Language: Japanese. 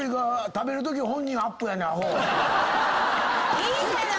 いいじゃなーい！